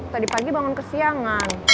tadi pagi bangun ke siangan